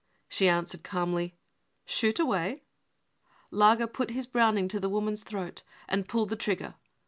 She answered calmly :" Shoot away '" Lager put his Browning to the woman's throat and pfilled he trigger.